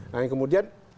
nah yang kemudian